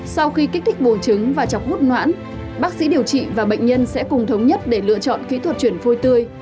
sau khi kích thích bùn trứng và chọc hút mãn bác sĩ điều trị và bệnh nhân sẽ cùng thống nhất để lựa chọn kỹ thuật chuyển phôi tươi